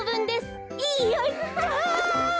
やった。